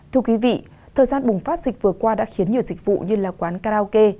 thưa quý vị thời gian bùng phát dịch vừa qua đã khiến nhiều dịch vụ như là quán karaoke